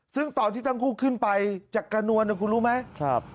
ซึ่งตอนที่ทั้งคู่ขึ้นไปจากกระนวลนะคุณรู้ไหม